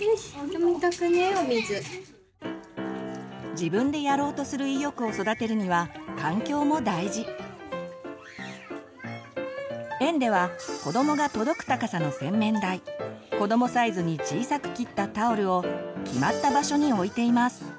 自分でやろうとする園では子どもが届く高さの洗面台子どもサイズに小さく切ったタオルを決まった場所に置いています。